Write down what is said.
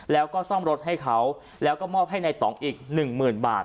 แล้วก็ซ่อมรถให้เขาแล้วก็มอบให้ในต่องอีกหนึ่งหมื่นบาท